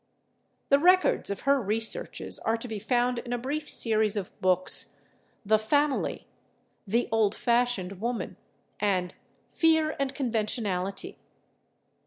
The records of her researches are to be found in a brief series of books: "The Family," "The Old Fashioned Woman" and "Fear and Conventionality."